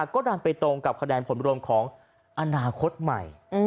ก็ดันไปตรงกับคะแนนผลรวมของอนาคตใหม่